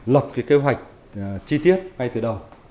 lọc cái kế hoạch chi tiết ngay từ đầu